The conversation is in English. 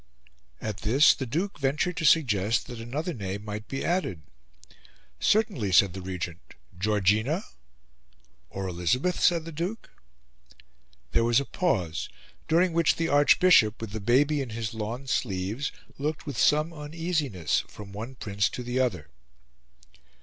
At this the Duke ventured to suggest that another name might be added. "Certainly," said the Regent; "Georgina?" "Or Elizabeth?" said the Duke. There was a pause, during which the Archbishop, with the baby in his lawn sleeves, looked with some uneasiness from one Prince to the other.